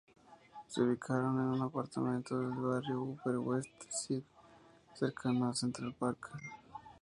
Se ubicaron en un apartamento del barrio Upper West Side cercano a Central Park.